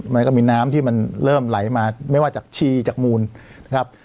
มันก็มีน้ำที่มันเริ่มไหลมาไม่ว่าจากชีจากมูลนะครับ